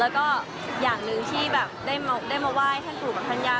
แล้วก็อย่างหนึ่งที่แบบได้มาไหว้ท่านปู่กับท่านย่า